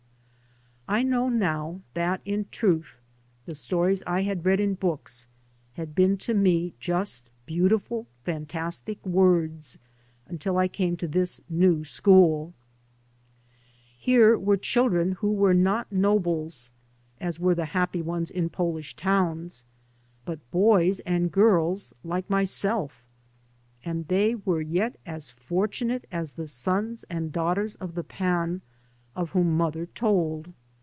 I know now that, in truth, the stories I had read in books had been to me just beautiful fantastic words until I came to this new school. Here were children who were not 3 by Google MY MOTHER AND I nobles, as were the happy ones m Polish towns, but boys and girls like myself; and they were yet as fortunate as the sons and daughters of the Pan of whom mother told.